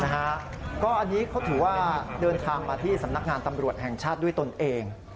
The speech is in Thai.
อันนี้เขาถือว่าเดินทางมาที่สำนักงานตำรวจแห่งชาติด้วยตนเอง